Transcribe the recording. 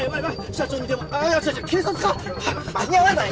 社長に電話あ違う違う警察か⁉間に合わない！